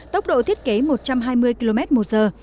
tốc độ thiết kế một trăm hai mươi km một giờ